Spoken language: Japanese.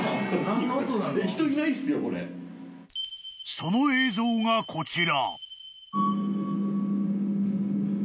［その映像がこちら］